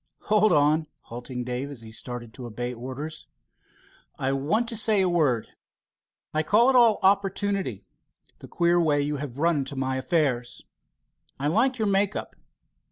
Hold on," halting Dave, as he started to obey orders. "I want to say a word. I call it all opportunity, the queer way you have run into my affairs. I like your make up.